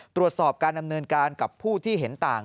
ตรวจสอบการดำเนินการกับผู้ที่เห็นต่าง